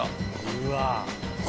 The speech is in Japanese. うわ。